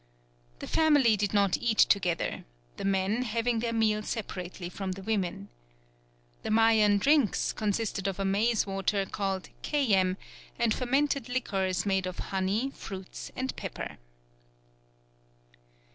The family did not eat together: the men having their meal separately from the women. The Mayan drinks consisted of a maize water called keyem and fermented liquors made of honey, fruits, and pepper.